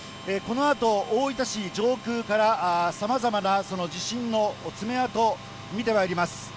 このあと、大分市上空からさまざまなその地震の爪痕、見てまいります。